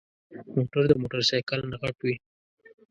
موټر د موټرسايکل نه غټ وي.